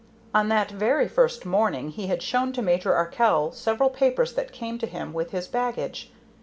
On that very first morning he had shown to Major Arkell several papers that came to him with his baggage.